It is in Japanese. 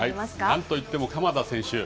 なんといっても鎌田選手。